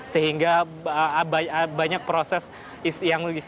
sehingga banyak proses yang lebih